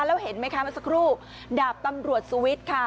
แล้วเห็นไหมคะเมื่อสักครู่ดาบตำรวจสุวิทย์ค่ะ